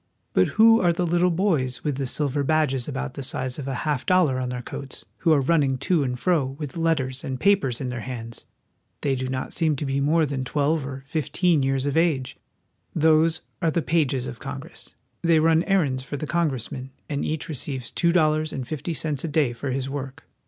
But who are the little boys with the silver badges about the size of a half dollar on their coats, who are running to and fro with letters and papers in their hands? They do 32 WASHINGTON. not seem to be more than twelve or fifteen years of age. Those are the pages of Congress ; they run errands for the congressmen ; and each receives two dollars and fifty cents a day for his work.